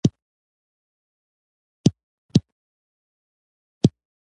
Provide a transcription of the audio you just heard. دښمن د زړه توروالی دی